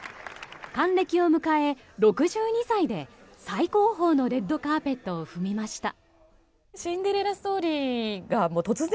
還暦を迎え、６２歳で世界最高峰のレッドカーペットを踏みました。